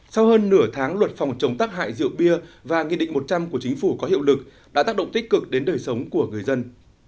sau hơn nửa tháng luật phòng chống tắc hại rượu bia và nghị định một trăm linh của chính phủ có hiệu lực đã tác động tích cực đến đời sống của người dân